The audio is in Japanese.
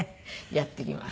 やっていきます。